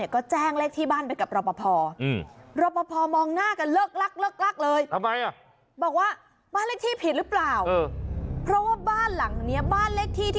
ฆ่าตัวตายยกบ้าน